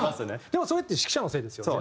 でもそれって指揮者のせいですよね。